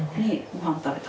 ご飯食べた。